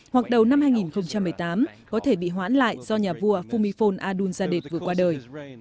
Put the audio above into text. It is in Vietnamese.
hoặc đầu năm hai nghìn một mươi tám có thể bị hoãn lại do nhà vua phumifol adunzadeh vừa qua đời